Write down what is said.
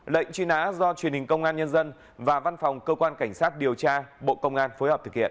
lệnh truy nã do truyền hình công an nhân dân và văn phòng cơ quan cảnh sát điều tra bộ công an phối hợp thực hiện